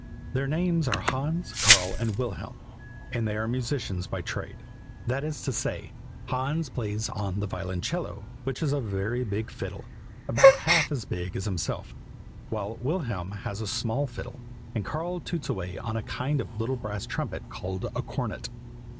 Their names are Hans, Karl, and Wilhelm; and they are musicians by trade; that is to say, Hans plays on the violoncello, which is a very big fiddle, about half as big as himself, while Wilhelm has a small fiddle, and Karl toots away on a kind of little brass trumpet called a cornet.